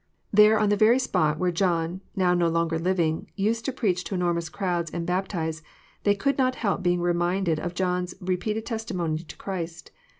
There on the very spot where John, now no longer living, used to preach to enormous crowds, and baptize, they could not help being reminded of John's repeated testimony to Christ.